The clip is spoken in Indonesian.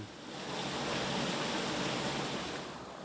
tidak ada air